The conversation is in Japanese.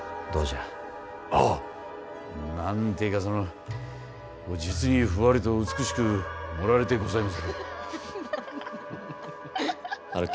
ははっ何てぇか、そのぉ実にふわりと美しく盛られてございまする。